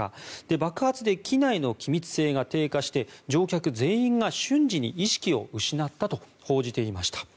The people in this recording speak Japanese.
爆発で機内の気密性が低下して乗客全員が瞬時に意識を失ったと報じていました。